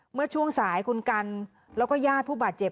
เมื่อช่วงสายคุณกันแล้วก็ญาติผู้บาดเจ็บ